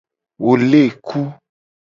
Wo le ku.